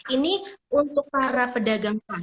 ini untuk para pedagang pak